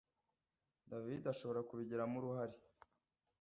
David ashobora kubigiramo uruhare